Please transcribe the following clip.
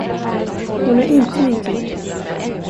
Hon är inte min typ.